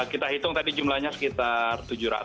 kita hitung tadi jumlahnya sekitar tujuh ratus